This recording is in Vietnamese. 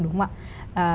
đúng không ạ